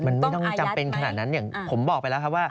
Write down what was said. มันไม่ต้องจำเป็นขนาดนั้นอย่างผมบอกไปแล้วครับว่า